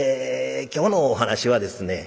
今日のお噺はですね